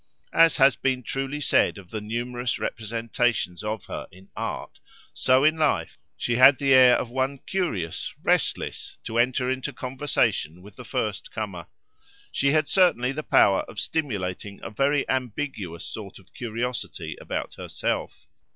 As has been truly said of the numerous representations of her in art, so in life, she had the air of one curious, restless, to enter into conversation with the first comer. She had certainly the power of stimulating a very ambiguous sort of curiosity about herself.